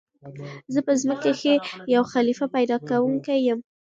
"زه په ځمكه كښي د يو خليفه پيدا كوونكى يم!"